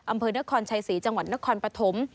อำเภอนครชัยศรีจังหวัดนครปฐม